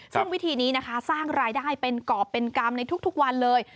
ซึ่งวิธีนี้นะคะสร้างรายได้เป็นกรอบเป็นกรรมในทุกวันเลย